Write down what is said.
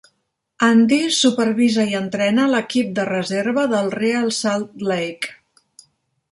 Andy supervisa i entrena l'equip de reserva del Real Salt Lake.